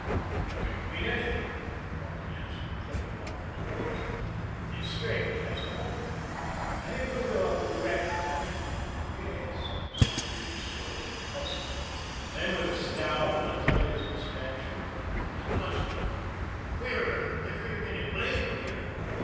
"I don't mean anything," Carleton answered, clipping off his words. "It's strange, that's all I think we'll go up with the wrecker, Tommy." "Yes," said Regan slowly, puzzled; then, with a scowl and a tug at his mustache: "It does look queer, queerer every minute blamed queer!